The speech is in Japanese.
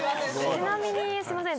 ちなみにすいません